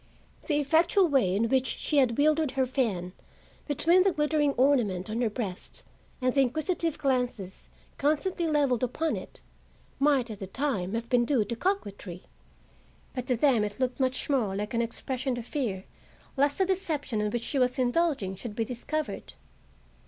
The effectual way in which she had wielded her fan between the glittering ornament on her breast and the inquisitive glances constantly leveled upon it might at the time have been due to coquetry, but to them it looked much more like an expression of fear lest the deception in which she was indulging should be discovered.